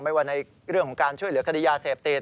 ว่าในเรื่องของการช่วยเหลือคดียาเสพติด